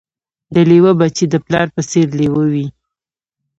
د لېوه بچی د پلار په څېر لېوه وي